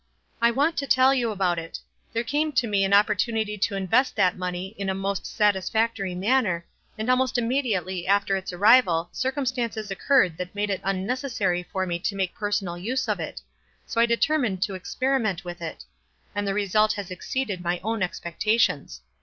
I want to tell you about it. There came to me an opportunity to invest that money in a most sat isfactory manner, and almost immediately after its arrival circumstances occurred that made it unnecessary for me to make personal use of it — so I determined to experiment with it — and the result has exceeded my own expectations.